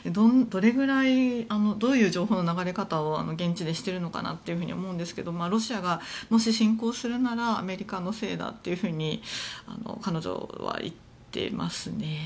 どれぐらいどういう情報の流れ方を現地でしているのかなって思うんですけどロシアがもし侵攻するならアメリカのせいだというふうに彼女は言っていますね。